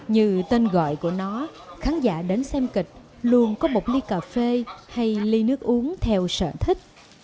như tên gọi của nó khán giả đến xem kịch luôn có một ly cà phê hay ly nước uống theo sở thích